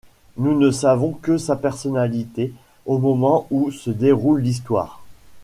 Nous ne savons que sa personnalité au moment où se déroule l'histoire.